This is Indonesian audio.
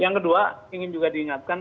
yang kedua ingin juga diingatkan